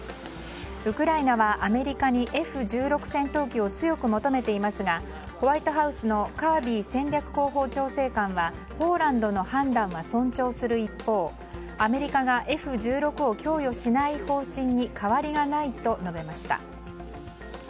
ウクライナはアメリカにＦ１６戦闘機を強く求めていますがホワイトハウスのカービー戦略広報調整官はポーランドの判断は尊重する一方アメリカがＦ１６を供与しない方針に変わりがないと述べました。